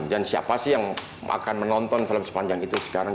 dan siapa sih yang akan menonton film sepanjang itu sekarang